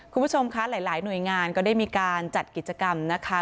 คุณผู้ชมคะหลายหน่วยงานก็ได้มีการจัดกิจกรรมนะคะ